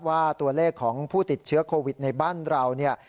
ว่าตัวเลขของผู้ติดเชื้อโควิดในบ้านเราเนี่ย